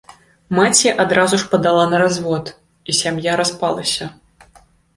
Маці адразу ж падала на развод, і сям'я распалася.